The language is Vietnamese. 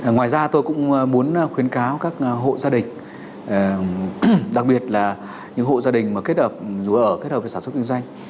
ngoài ra tôi cũng muốn khuyến cáo các hộ gia đình đặc biệt là những hộ gia đình mà kết hợp với sản xuất kinh doanh